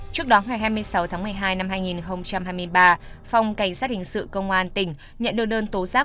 trước đó ngày hai mươi sáu tháng một mươi hai năm hai nghìn hai mươi ba phòng cảnh sát hình sự công an tỉnh nhận được đơn tố giác